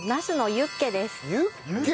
ユッケ。